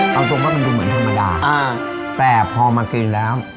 เอาตรงว่ามันดูเหมือนธรรมดาแต่พอมากินแล้ว